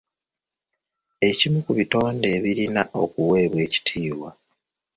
Ekimu ku bitonde ebirina okuweebwa ekitiibwa.